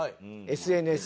ＳＮＳ。